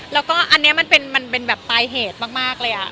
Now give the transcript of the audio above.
แล้วก็อันนี้มันเป็นแบบปลายเหตุมากเลย